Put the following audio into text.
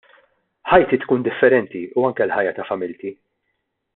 Ħajti tkun differenti u anke l-ħajja ta' familti!